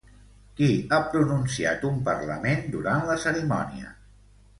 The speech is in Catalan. Qui ha pronunciat un parlament durant la cerimònia?